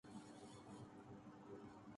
یہ کس طرح کی پنچھی ہے